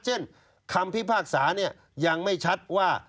เช่นคำพิพากษายังไม่ชัดว่า